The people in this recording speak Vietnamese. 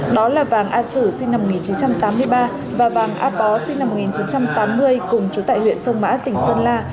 đó là vàng áp sử sinh năm một nghìn chín trăm tám mươi ba và vàng áp bó sinh năm một nghìn chín trăm tám mươi cùng chú tại huyện sông má tỉnh sơn la